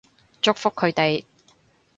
祝福佢哋